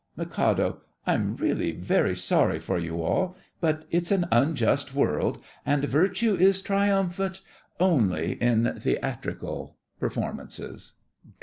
MIK. I'm really very sorry for you all, but it's an unjust world, and virtue is triumphant only in theatrical performances.